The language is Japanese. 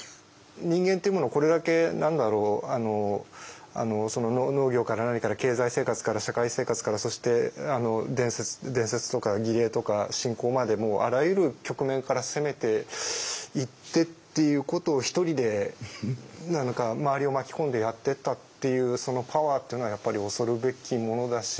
人間っていうものをこれだけ何だろう農業から何から経済生活から社会生活からそして伝説とか儀礼とか信仰までもあらゆる局面から攻めていってっていうことを１人で何か周りを巻き込んでやってったっていうそのパワーっていうのはやっぱり恐るべきものだし。